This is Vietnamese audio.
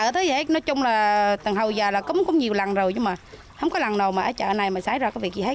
từng hầu giờ là có nhiều lần rồi nhưng mà không có lần nào mà ở chợ này xáy ra cái việc gì hết